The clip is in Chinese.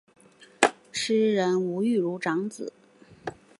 诗人吴玉如长子。